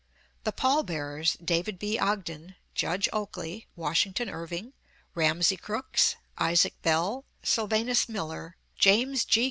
The pall bearers, David B. Ogden, Judge Oakley, Washington Irving, Ramsey Crooks, Isaac Bell, Sylvanus Miller, James G.